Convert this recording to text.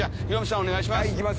お願いします。